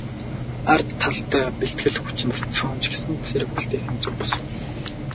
Ар талд бэлтгэл хүчинд цөөн ч гэсэн цэрэг үлдээх нь зөв бус уу?